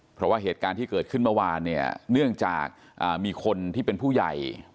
เพราะว่าเหตุการณ์ที่เกิดขึ้นเมื่อวานเนี่ยเนื่องจากมีคนที่เป็นผู้ใหญ่